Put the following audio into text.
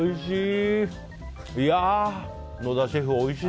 おいしい！